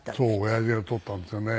親父が撮ったんですよね。